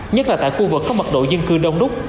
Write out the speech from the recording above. nhất là tại khu vực có mật độ dân cư đông đúc